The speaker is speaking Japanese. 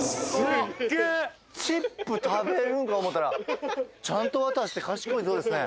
すっげえチップ食べるんか思たらちゃんと渡して賢い象ですね